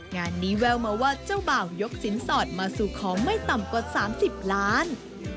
งานนี้แววมาว่าเจ้าบ่าวยกสินสอดมาสู่ของไม่ต่ำกว่า๓๐ล้าน